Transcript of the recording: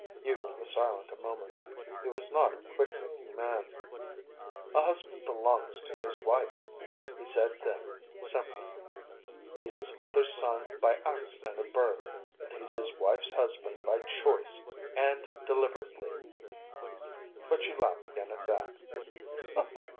Hugo was silent a moment. He was not a quick thinking man. "A husband belongs to his wife," he said then, simply. "He's his mother's son by accident of birth. But he's his wife's husband by choice, and deliberately." But she laughed again at that.